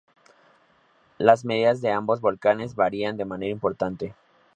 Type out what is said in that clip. Las medidas de ambos volcanes variaban de manera importante.